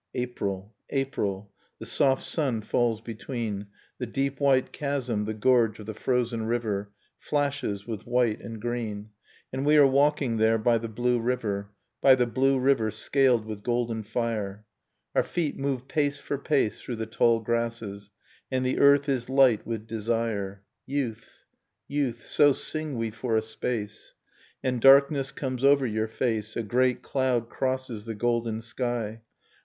April ... April ... the soft sun falls between, The deep white chasm, the gorge of the frozen river, Flashes with white and green; And we are walking there by the blue river, By the blue river scaled with golden fire, Our feet move pace for pace through the tall grasses, And the earth is light with desire. Youth ... youth ... so sing we for a space ... And darkness comes over your face, A great cloud crosses the golden sky.